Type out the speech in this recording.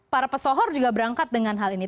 para pesohor juga berangkat dengan hal ini